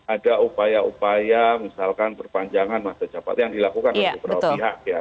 ada upaya upaya misalkan perpanjangan masa jabatan yang dilakukan oleh beberapa pihak ya